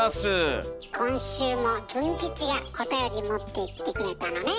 今週もズン吉がおたより持ってきてくれたのね。